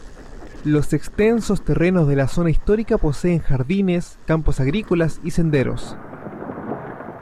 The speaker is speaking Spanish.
Los extensos terrenos de la zona histórica poseen jardines, campos agrícolas, y senderos.